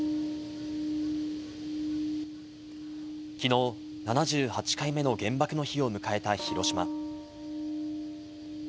きのう７８回目の原爆の日を迎えた広島。